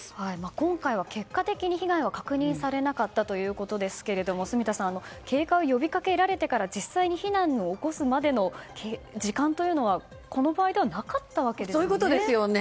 今回は結果的に被害は確認されなかったということですが住田さん警戒を呼びかけられてから実際に避難を起こすまでの時間というのはこの場合ではなかったわけですよね。